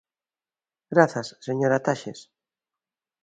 Grazas, señora Taxes.